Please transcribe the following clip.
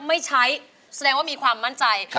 ไม่ใช้แสดงว่ามีความมั่นใจ